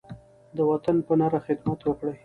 د وطن په نره خدمت وکړئ.